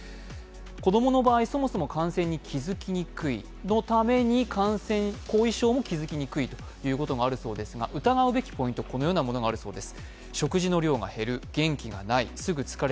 子供の場合、そもそも感染に気づきにくいために後遺症も気づきにくいということがあるそうで疑うべきポイント、このようなものがあるそうです。